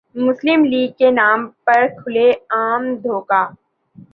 مسلم لیگ کے نام پر کھلے عام دھوکہ ۔